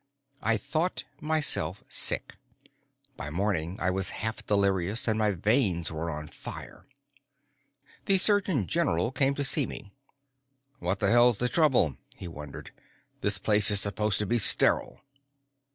I thought myself sick. By morning I was half delirious and my veins were on fire. The surgeon general came to see me. "What the hell's the trouble?" he wondered. "This place is supposed to be sterile."